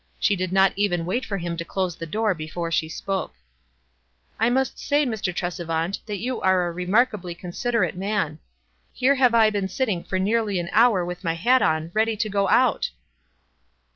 She did not even wait for him to close the door before she spoke. "I must say, Mr. Tresevant, that you are a remarkably considerate man. Here have I been sitting for nearly an hour with my hat on, ready to go out."